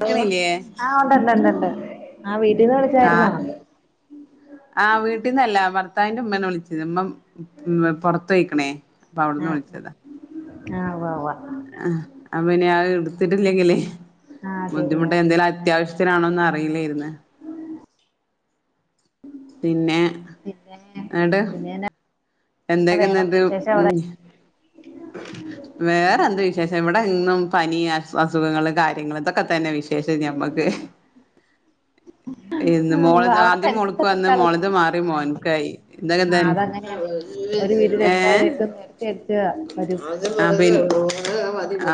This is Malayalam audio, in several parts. ഹലോ ആഹ് ഉണ്ട് ണ്ട് ണ്ട് ണ്ട് ആ വീട്ടീന്ന് വിളിച്ചായിരുന്നോ ആഹ് ആഹ് വീട്ടീന്നല്ല ഭർത്താവിന്റെ ഉമ്മേന് വിളിച്ചത് ഉമ്മം പൊറത്തൊയ്ക്കണേ അപ്പൊ അവ്ട്ന്ന് ആഹ് വിളിച്ചതാ ആഹ് ഉവ്വ ഉവാ ആ അപ്പപിന്നെ അഹ്‌ ഇട്ത്തിട്ടില്ലെങ്കില് ആഹ് ശരിയാ ബുദ്ധിമുട്ട് എന്തെലും അത്യാവശ് ത്തിനാണോന്ന് അറിയില്ലേര്ന്ന് പിന്നെ പിന്നെ എട് പിന്നെന്നാ വേറെ എന്തൊക്കെന്നട്ട് വിശേഷം അവിടെ ഉം [unintelligible] വേറെന്ത് വിശേഷം ഇവ്ടെന്നും പനി അസുഖങ്ങൾ കാര്യങ്ങള് ഇതൊക്കെ തന്നെ വിശേ ഷം ഞമ്മക്ക് ഇന്ന് മോള്താ ആദ്യം മോള്ക്ക് കള്ന്നാ ഇതൊക്കെ ആഹ് തന്നെ അതങ്ങനെയാണ് ഒര് വീട്ടില് എല്ലാര്ക്കും ത്തെറ്റാ വരും ആഹ് പി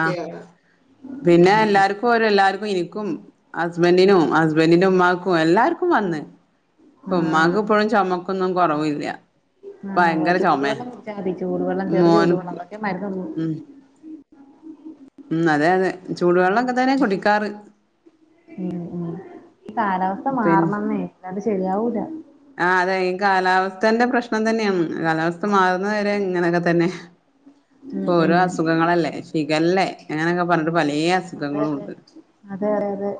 ആഹ് പിന്നെ എല്ലാര് ഇപ്പോരെ എല്ലാര്ക്കും ഇനിക്കും ഹസ്ബന്റിനും ഹസ്ബന്റിന്റെ ഉമ്മാക്കും എല്ലാര്ക്കും വന്ന്. ഇപ്പൊ ഉമ്മാക്ക് ആഹ് ഇപ്പൊഴും ചൊമക്കൊന്നും കൊറവില്ല. ആഹ് ചൂടുവെള്ളം കുട്ച്ചാതി ചൂടുവെള്ളം ചെറു ചൂടുവെള്ളം മോൻക്ക് അതൊക്കെ മരുന്നൊള്ളു ഉം ഉം അതെ അതെ ചൂടുവെള്ളക്കെതന്നെ കുടിക്കാറ് ഉം ഉം ഈ കാലാവസ്ഥ പിന്നെ മാറണന്നേ അല്ലാണ്ട് ശരിയാവൂല ആഹ് അതെ ഈ കാലാവസ്ഥന്റെ പ്രശ്നം തന്നെയാണ് കാലാവസ്ഥ മാറുന്നവരെ ഇങ്ങനെയൊക്കെതന്നെ. ഉം ഇപ്പോരോ ഉം അസുഖങ്ങളല്ലേ ശിഗല്ലേ അങ്ങനെയൊക്കെ പറഞ്ഞിട്ട് പലേ അതെ അതെ അസുഖങ്ങളൂണ്ട് അതെ അതെ അതെ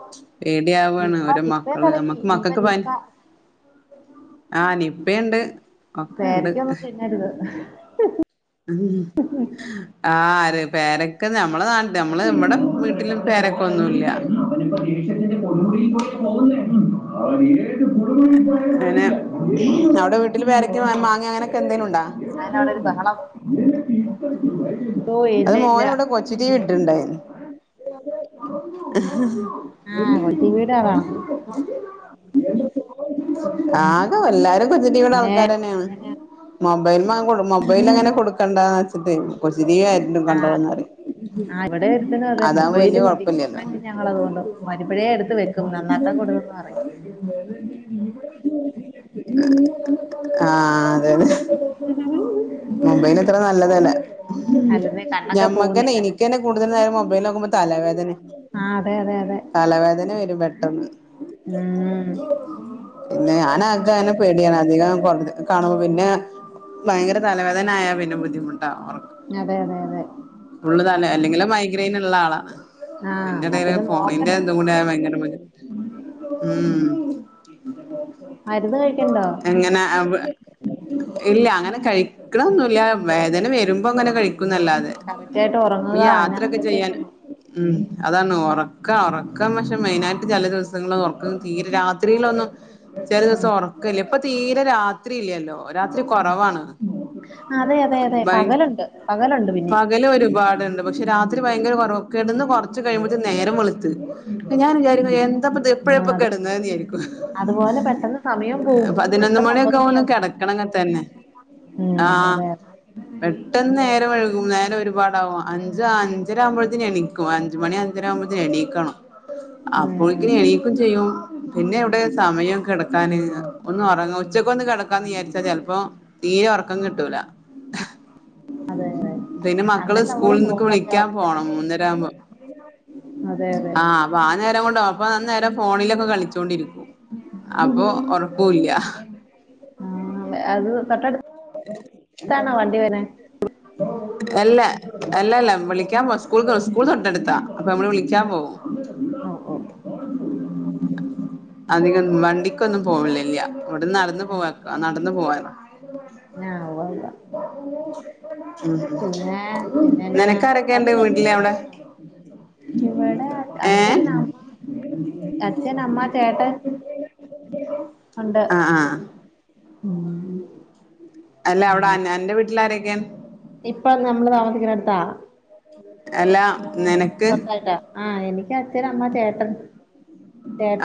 നിപ്പ ഓരോ നിപ്പേ മക്കള് തുടങ്ങി നമ്മുക്ക് നിപ്പ മക്കൾക്ക് പനി നിപ്പ എന്ത്നോ ആഹ് നിപ്പീണ്ട് ഒക്കെണ്ട് ഞാര് [unintelligible] ഉം ആര് പേരക്ക നമ്മളെ നാണ്ട് നമ്മള് വടെ വീട്ടില് പേര ക്കൊന്നുല്ലാ യെനെ അവ്‌ടെ വീട്ടില് പേരക്കെ മാങ്ങ അങ്ങനെയൊക്കെ എന്തേലുണ്ടോ ആരാ അവ്ടെരു ബഹളം ഓ ഇല്ല അത് ഇല്ല മോനവ്ടെ കൊ ച്ചു ടീവി ഇട്ടിട്ടുണ്ടായിരുന്നു ആഹ് കൊച്ചു വീട് അതാണ് ഉം ആകെ എല്ലാരും കൊച്ചിടീവിൻ്റെ പിന്നെ ആൾക്കാരന്നേണ് പിന്നെന്നാ മൊബൈൽമെ മൊബൈൽ അങ്ങനെ കൊടുക്കേണ്ടാന്ന് വെച്ചിട്ട് കൊച്ചിടീവി ആയി ആഹ് കണ്ടോളുന്നാല് ആഹ് ഇവിടെ ഒരുത്തനും അതെ അതാവുമ്പോ മൊബൈല് വല്യാ മതി കൊഴപ്പല്ല മാറ്റും ഞങ്ങൾ അതുകൊണ്ട് വരുമ്പോഴേ എടുത്ത് വെക്കും നന്നാക്കാൻ കൊടുത്തെന്ന് പറയും ആഹ് അതെതെ മൊബൈല് അത്ര നല്ലതല്ല അല്ലെന്നേ കണ്ണൊക്കെ പോകുന്നേ ഞമ്മക്കന്നെ കണ്ണിന്റെ എനിക്കെന്നെ കൂടുതൽ നേരം മൊബൈലോകുമ്പൊ തലവേദനെ ആഹ് അതെ അതെ അതെ തലവേദന വരും പെട്ടെന്ന് ഉം പിന്നെ ഞാന് ആകെ പേടിയാണ് അധികം കാണുമ്പോ പിന്നെ ഭയങ്കര തലവേ ദനായ പിന്നെ ബുദ്ധിമുട്ടാ ഒർക്ക് അതെ അതെ അതെ ഫുള്ള് തല അല്ലെങ്കിലെ മൈഗ്രൈയിന്ള്ള ആളാണ് ആഹ് എന്നാ അതിൻ്റെടീല് പിന്നെ നോക്കണ്ട ഫോണിന്റെത്കൂടായാ ഭയങ്കര ബുദ്ധിമുട്ടാ ഉം മരുന്ന് കഴിക്കണ്ടോ എങ്ങനെ ഇല്ല അങ്ങനെ കഴിക്ക്ണൊന്നുല്ല വേദന വെര്മ്പോ ങ്ങനെ കഴിക്കും ന്നല്ലാതെ കറക്റ്റ് ആയിട്ട് ഈ ഉറങ്ങുക അതിന് യാത്രൊക്കെ ചെയ്യാൻ അങ്ങനത്തെയൊക്കെ ഉള്ളു ഉം അതാണ് ഒറക്കാ ഒറക്കം പക്ഷെ മെയിനായിട്ട് ചെല ദിവസങ്ങള് ഒറക്കം തീരെ രാത്രിയിലൊന്നും ചെല ഉം ദിവസം ഒറക്കല്ല ഇപ്പൊ തീരെ രാത്രില്ലല്ലോ രാത്രി കൊറവാണ് അതെ അതെ അതെ പകല്ണ്ട് പകലുണ്ട് പിന്നിം പകല് ഒരുപാട്ണ്ട് പക്ഷെ രാത്രി ഭയങ്കര കൊറവാ കെട്ന്ന് കൊർച്ച് കഴിയുമ്പോത്തിന് നേരം വെള്ത്ത് ഞാൻ വിചാരിക്കും എന്താപ്പത് ആഹ് എപ്പഴപ്പ അതെ കെടന്ന്ന്ന് വിയാരിക്കും അതുപോലെ പെട്ടെന്ന് സമയം പോവും പതിനൊന്ന് പെട്ടെന്ന് മണിക്കെ ഒമ്പത് ആകും ഒന്ന് മണിയാവും കെടക്കണങ്കി തന്നെ ഉം ആഹ് അതെ അതെ പെട്ടെന്ന് നേരം വെഴ്കും നേരം ഒരുപാടാവും അഞ്ച് അഞ്ചര ആവുമ്പോത്തിനെണീക്കും അഞ്ച്മണി അഞ്ചരാവുമ്പോത്തിന് എണീക്കണം അപ്പോയ്ക്ക്ന് ഉം എണീക്കും ചെയ്യും പിന്നെ എവിടെ സമയം കെടക്കാ കെടക്കാന് ഒന്നൊറങ്ങ ഉച്ചക്കൊന്ന് കെടക്കാന്ന് വിചാരിച്ചാ ചെലപ്പോ തീരെ ഒറക്കം കിട്ടൂല അതെ പിന്നെ മക്കള് അന്നേരം നമ്മള് സ്കൂളിൾക്ക് ഫോണിലൊക്കെ വിളിക്കാൻ പോണം നോണ്ടിക്കൊണ്ടിരിക്കും മൂന്നരാവുമ്പോ അതെ അതെ അപ്പാ നേരംകൊണ്ട് അപ്പൊ അന്നേരം ഫോണിലൊക്കെ കളിച്ചോണ്ടിരിക്കും അപ്പൊ ഒറക്യൂല്ല ആഹ് അത് തൊട്ടടുത്ത അല്ല അല്ലല്ല വിളിക്കാൻ പോവാ സ്കൂള് സ്കൂൾ തൊട്ടടുത്താ അപ്പമ്മള് വിളിക്കാൻ പോവും ഓഹ് ഓഹ് ഓഹ് ഉം ഉം അധികം ന്നും വണ്ടിക്കൊന്നും പോവലില്ല ഇവിട്ന്ന് നടന്നു പോവാക്ക നടന്ന് പോവല [unintelligible] ഉം പിന്നെ ഉം പിന്നെന്നാ നിനക്കാരെക്കേണ്ട് വീട്ടില് അവിടെ ഇവടെ ഏ അച്ഛൻ അമ്മ അച്ഛനമ്മ ചേട്ടൻ ഒണ്ട് ആ ആ ഉം അല്ലാ അവിടെ അന്റെ വീട്ടിലാരെക്കെ ഇപ്പം നമ്മള് താമസിക്ക്ണോട്ത്തോ അല്ലാ ന്നെനക്ക് സ്വന്തായിട്ടാ ആഹ് എനിക്ക് അച്ഛന് അമ്മ ചേട്ടൻ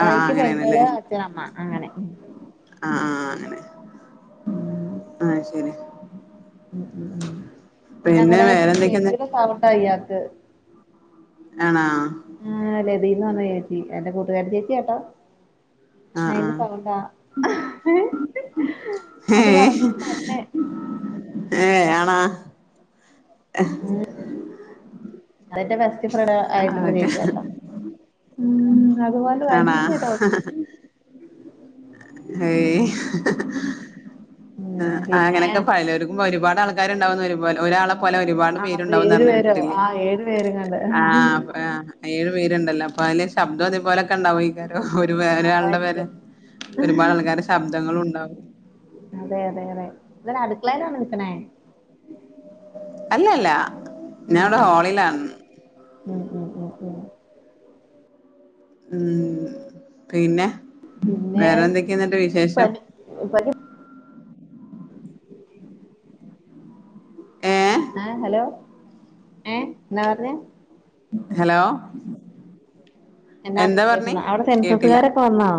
ആ ആ അങ്ങനെയാണല്ലേ പെങ്ങള് അച്ഛനമ്മ അങ്ങനെ ആഹ് ആഹ് അങ്ങനെ ഉം ആഹ് ശരി. ഉം ഉം ഉം പിന്നെ ഞങ്ങളുടെത് വേറെന്തൊക്കെയാ ചേച്ചി സൗണ്ട അയ്യാക്ക്. ആണാ ആ ലതീന്ന് പറഞ്ഞു എന്റെ കൂട്ടുകാരി ചേച്ചിയാ ട്ടോ. ആ ആ അയിന്റെ സൗണ്ടാ ഹ് ഹെ ഏഹ് ഏഹ് ആണാ. ഉം അത് ഇന്റെ ബെസ്റ്റ് ഫ്രണ്ട് ആ ആയിട്ടുള്ള ഓക്കെ ചേച്ചിയാട്ടോ? ഉം അത് പോലെ തന്നെട്ടോ. ആണാ ഏയ് ഉം പിന്നെ അങ്ങനെയൊക്കെ പലരും. ഒരുപാട് ആൾക്കാരു ഉണ്ടാവുന്നെ ഒരു പോലെ ഒരാളെ. പോലെ ഒരുപാട് ആഹ് അത് പേരുണ്ടാവുംന്ന് ഏഴു പേരോ പറഞ്ഞട്ടിട്ടില്ലേ ആഹ് ഏഴു പേരെങ്ങാണ്ട് ആഹ് അപ്പ ആഹ് ഏഴു പേരുണ്ടല്ലോ അപ്പൊ അതില് ശബ്ദം അതേപോലെ ഒക്കെണ്ടാവോക്കാരം ഒരു വേറെളുടെ പോലെ. അതായിരിക്കും ഒരുപാട് ആൾക്കാർ ശബ്ദങ്ങളും ഉണ്ടാവും. അതെ അതെ അതെ ഇതടെ അടുക്കളയിൽ ആണോ നിൽക്ക്ണേ? അല്ലല്ല ഞാൻ ആഹ് ടെ ആഹ് ഹോളിലാണ്. ഉം ഉം ഉം ഉം ഉം. ഉം പിന്നെ വേറെന്തൊക്കെയ എന്നിട്ട് വിശേഷം. പൂപ്പൽ ഏഹ് ആഹ് ഹലോ ഏഹ് എന്താ പറഞ്ഞ്. ഹലോ. എന്താട്ട് എന്താ പറഞ്ഞേ വിശേഷംന്നാ അവിടെ കേട്ടില്ല സെൻസസുകാരൊക്കെ വന്നോ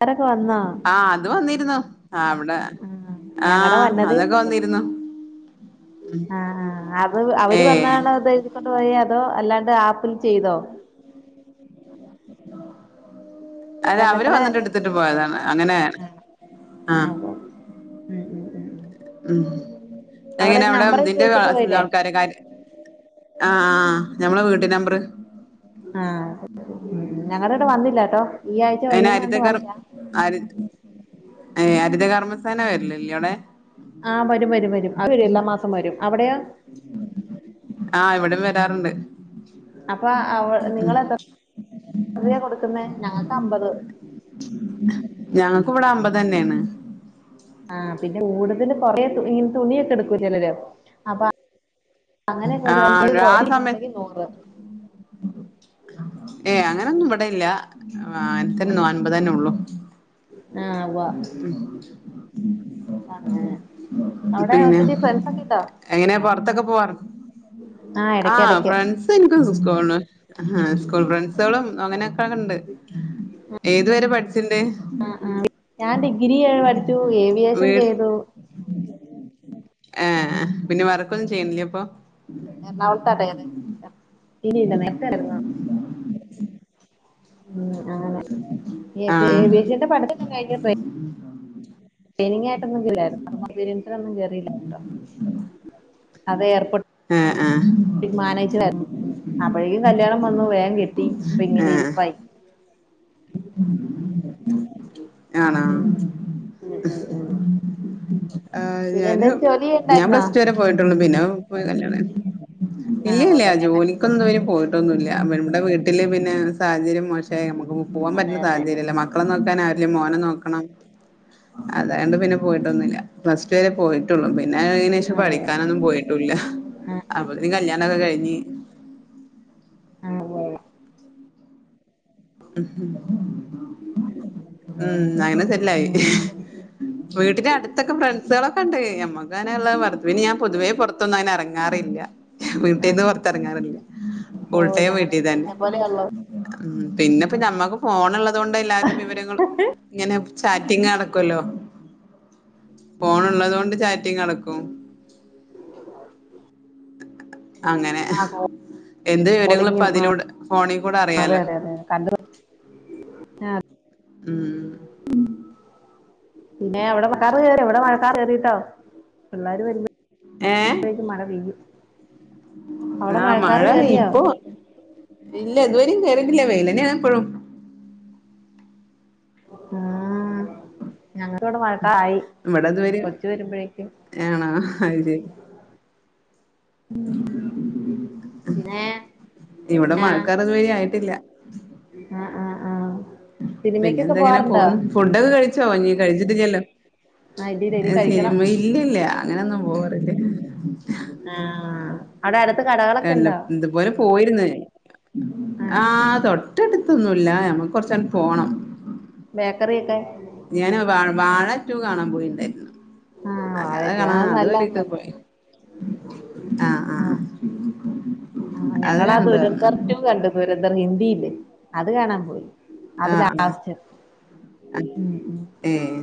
കാരൊക്കെ വന്നോ? ആഹ് അത് വന്നിരുന്നു ആഹ് അവിടെ ആഹ് ഞങ്ങടെ ആഹ് വന്നതേ അതൊക്കെ ഉള്ളൂ വന്നിരുന്നു. ആഹ് ആഹ് അത് ഏ അവര് വന്നാണോ ഇത്. കൊണ്ടു പോയോ അതോ അല്ലാണ്ട് ആപ്പിൽ ചെയ്തോ? അതെ അവര് തന്നെത്താനെ വന്നിട്ട് എടുത്തിട്ട് പോയതാണ് അങ്ങനെ ആഹ് ആഹ്. ഉം ഉം ഉം. ഉം എങ്ങനെ ഒരു അവിടെ നമ്പർ എഴുതി ഇതിന്റെ വെച്ചിട്ട് ആൾ പോയില്ലേ ആൾക്കാര് കാര്യ ആഹ് ആഹ് ഞമ്മളെ വീട്ട് നമ്പറ്. ആഹ് ഞങ്ങളുടെ ഇവിടെ വന്നില്ലാട്ടോ? ഈ ആഴ്ച അയ്ന് വരൂന്ന് പറഞ്ഞിട്ട് ഹരിതകർ വന്നില്ല ഹരി ഏഹ് ഹരിതകർമ്മസേന വര്ല്ല് ഇല്ലോ അവിടെ. ആഹ് വരും വരും വരും അവര് വരും എല്ലാ മാസം വരും അവിടെയോ? ആഹ് ഇവിടം വരാറുണ്ട്. അപ്പ അവൾ നിങ്ങൾ എത്രയ എത്രയെ കൊടുക്കുന്ന ഞങ്ങൾക്ക് അമ്പത്. ഞങ്ങക്കും ഇവിടെ അമ്പത് തന്നെയാണ്. ആഹ് പിന്നെ കൂടുത്തൽ കൊറെ ഈ തുണിയൊക്കെ എടുക്കും ചിലര് അപ്പൊ. അങ്ങനെയൊക്കെ ആ ഒരു രണ്ടത്തുണി ക്കണ്ടെങ്കിൽ നൂറ്. ഏഹ് അങ്ങനെന്നും ഇവിടെയില്ല ഉം അങ്ങനത്തന്നെ അൻപത് തന്നെ ഉള്ളു. ആഹ് വാ ഉം അങ്ങനെ അവിടെ പിന്നെ ഒത്തിരി ഫ്രണ്ട്സ് ഒക്കെ ഉണ്ടോ എങ്ങനെ പുറത്തൊക്കെ പോവാറ ആഹ് ഇടയ്ക്ക് ഇടയ്ക്ക്. ഇപ്പോ ഇന്ക്ക് സ്കൂള്ന്ന് സ്കൂൾ ഫ്രണ്ട്സളും അങ്ങനെ. ഇണ്ട് ഏതുവരെ പഠിച്ചിണ്ട്? ആഹ് ആഹ് ഞാൻ ഡിഗ്രി വരെ പഠിച്ചു ഏവിയേഷൻ വീ ചെയ്തു. ഏഹ് പിന്നെ വറ്ക്കൊന്നും ചെയ്യണില്ലേ ഇപ്പൊ? എറണാക്കുള്ളതാണ് [unintelligible] ഉം അങ്ങനെ A B A ah B A സ്ന്റെ പഠനൊക്കെ കഴിഞ്ഞ് ടെ ടെയിനി ആയിട്ടൊന്നുംല്ലായിരുന്നു [unintelligible] [unintelligible] അതെയർപോർട്ട് ഏഹ് ആഹ് തി മാനജരുന്നു അപ്പോഴേക്കും കല്യാണം വന്നു വേഗം കെട്ടി ഇപ്പ ഇങ്ങനെ ഏഹ് ഇരിപ്പായി ആണോ ഉം ഉം ഉം ആ പിന്നെ ഞാന് എന്തേലും ജോലി ഞൻ ചെയ്യണ്ടായിരുന്നോ പ്ലസ് പോയിട്ടുള്ളൂ പിന്നെ കല്യാ ആ ഉവ്വ് ഇല്ലല്ല പെണ്ണെ കല്യാണം ജോലിക്കൊന്ന പോയി ട്ടോന്നുല്ല നമ്മുടെ വീട്ടിൽ പിന്നെ സാഹചര്യം മോശേ നമക്ക് പോകാൻ അതെ പറ്റുന്ന അതെ സാഹചര്യമല്ല മക്കളെ നോക്കാൻ ആരും ല മോനെ നോക്കണം അതണ്ട് പിന്നെ പോയിട്ടൊന്നുമില്ല പ്ല റ്റു വരെ പോയിട്ടുള്ളും പിന്നെ അതിനശേഷം അതെ പഠിക്കാനൊന്നും പോയി ആ ആ അപ പിന്നെ കല്യാണൊക്കെ കഴിഞ്ഞ് ആണ് ലെ ഉം ഉം അങ്ങനെ ശരില്ലായി ഉം വീട്ടന്റെ അടുത്തൊക്കെ ഫ്രണ്ട്സുകളൊക്കെ ഉണ്ട് അമ്മക്ക്നെയുള്ള വർവിന് ഞാൻ പൊതുവേ പുറത്ത പുറത്തൊന്നും അയ്ൻ ഇറങ്ങാറില്ല ആ വീട്ടീന്ന് പുറത്തി ഇറങ്ങാറില്ല ഓ പുൾട്ടയം ഞങ്ങളെ വീട്ടിൽ തന്നെ [unintelligible] പിന്നെ ഇപ്പോ മ്മക്ക് ഫോൺ ഉള്ളത് കൊണ്ട് എല്ലാരും വിവരങ്ങൾ ഇങ്ങനെ ചാറ്റിങ് നടക്കല്ലോ ഫോൺ ഉള്ളത് കൊണ്ട് ചാറ്റിങ് നടക്കും ആ അങ്ങനെ എന്ത് വിവരങ്ങളും ഇപ്പോ കോളിങ്ങും അതിലൂടെ ഫോണി കൂടെ അറിയാലോ കണ്ട് ആഹ് ഉം പിന്നെ അവിടെ മഴക്കാറ് കേറ്യോ എവിടെ മഴക്കാറ് കേറിട്ടോ പിള്ളോര് വര്മ്പ ഏഹ് മ്പേക്ക്‌ മഴ പെയ്യും അവിടെ ആഹ് മഴക്കാറ് മഴ പെയ്യും കേറിയോ ഇപ്പോ ഇല്ല ഇതുവേരീം പെയ്തിട്ടില്ല വെയിലെന്നെണ് ഇപ്പഴും ആഹ് ഞങ്ങക്ക്‌ ഇവിടെ മഴക്കാറായി ഇവിടെ ഇതുവരെ കൊച്ചു വരുമ്പഴേക്കും ആണോ അത് ശരി ഉം പിന്നെ ഇവിടെ പിന്നെ മഴക്കാർ ഇതുവരെ ആയിട്ടില്ല ആഹ് ആഹ് ആഹ് സിനിമക്കൊക്കെ പിന്നെന്താ ഇങ്ങനെ പോവാറുണ്ടോ പോക്ന്നു ഫുഡൊക്കെ കഴിച്ചോ നീ കഴിച്ചിട്ടില്ലല്ലോ ആഹ് ഇല്ലല്ല ഇനി കഴിക്കണം സിനിമ ഇല്ലല്ല അങ്ങനെയൊന്നും പോവാറില്ല ആഹ് അടെ അട്ത്ത് കട എല്ലം ഇത്പോലെ പോയിര്ന്ന് ആഹ് തൊ ട്ടട്ത്തൊന്നുല്ല ഞമ്മക്ക് കൊറച്ചാണ്ട് പോണം ബേക്കറിയൊക്കെ ഞാന് വാ വാഴ ടു കാണാൻ പോയിണ്ടായിരുന്നു ആഹ് അല്ലാതെ വാഴറ്റു കാണാ അത് അതോരിട്ട് നല്ലതാന്ന് പറഞ്ഞ് പോയി ആഹ് ആഹ് [inaudible] ആഹ് അത് ഞങ്ങളാ കണ്ടു വന്നു ദുര്ന്തർ ടു കണ്ടു ദുര്ന്തർ ഹിന്ദില്ലേ അത് കാണാ പോയി അത് ആഹ് ആഹ് ലാസ്റ്റ് ഉം ഉം ഏഹ്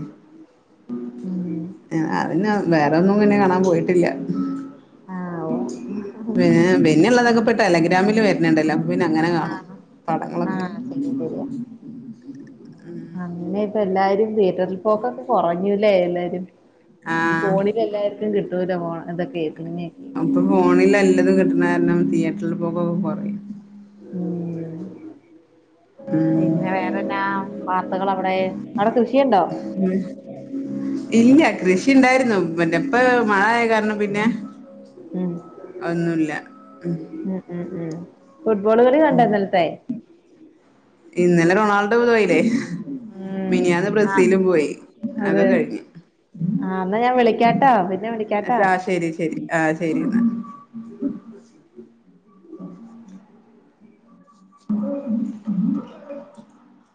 ഉം അതെന്നെ വേറൊന്നും പിന്നെ കാണാൻ പോയിട്ടില്ല ആഹ് ഓഹ് ഏഹ് പിന്നെള്ളതൊക്കെ ടെലഗ്രാമില് വര്ന്ണ്ടല്ലോ അപ്പോ പിന്നെ അങ്ങനെ കാണും ആഹ് പടങ്ങളൊക്കെ ആഹ് ശരി ശരിയാ ഉ അങ്ങനെ ഇപ്പ എല്ലാരും തിയേറ്ററില് പോക്കൊക്കെ കൊറഞ്ഞൂലേ എല്ലാരും ഈ ആഹ് ഫോണില് എല്ലാര്ക്കും കിട്ടൂല ഫോൺ ഇതൊക്കെ സിനിമയൊക്കെ ഇപ്പൊ ഫോണില് എല്ലതും കിട്ട്ണ കാരണം തിയേറ്ററില് പോക്കൊക്കെ കൊറയും മ്മ് ഉം പിന്നെ വേറെന്നാ വാർത്തകൾ അവടെ അടെ കൃഷിയിണ്ടോ? ഇല്ല്യ കൃഷിണ്ടായിരുന്നു മറ്റേ ഇപ്പ മഴായ കാരണം പിന്നെ ഉം അതോന്നുല്ല ഉം ഉം ഫുട്ബോള്കളി കണ്ടൊ ഇന്നലെത്തെ ഇന്നലെ റൊണാൾഡോ പോയിലേ ഉം മിനിയാന്ന് ആഹ് ബ്രസീലും പോയി അക്കെ അതെ കഴിഞ്ഞ് ആഹ് എന്നാ ഞാൻ വിളിക്കാട്ടോ പിന്നെ വിളിക്കാട്ടാ ആഹ് ശെരി ശെരി ആഹ് ശെരിന്നാ ഉ ഉ ഊ.